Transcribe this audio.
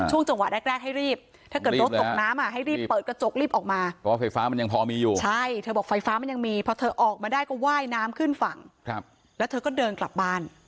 ช่วงจังหวะแรกแรกให้รีบถ้าเกิดรถตกน้ำอ่ะ